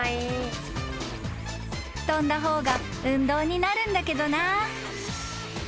［跳んだ方が運動になるんだけどな］